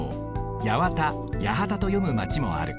八幡八幡とよむマチもある。